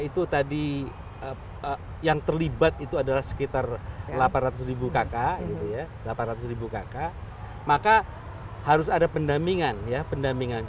lagi yang terlibat itu adalah sekitar delapan ratus kk delapan ratus kk maka harus ada pendampingan ya pendampingan